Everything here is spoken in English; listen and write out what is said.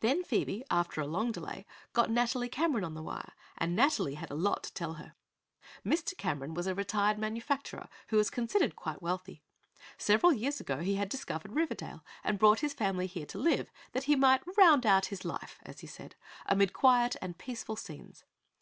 Then Phoebe, after a long delay, got Nathalie Cameron on the wire and Nathalie had a lot to tell her. Mr. Cameron was a retired manufacturer who was considered quite wealthy. Several years ago he had discovered Riverdale and brought his family there to live, that he might "round out his life," as he said, amid quiet and peaceful scenes.